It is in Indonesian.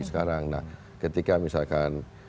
sekarang nah ketika misalkan